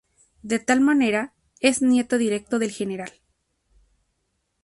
De tal manera, es nieto directo del Gral.